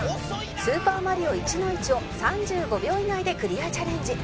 『スーパーマリオ』１−１ を３５秒以内でクリアチャレンジ